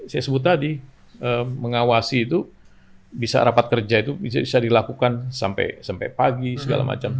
saya sebut tadi mengawasi itu bisa rapat kerja itu bisa dilakukan sampai pagi segala macam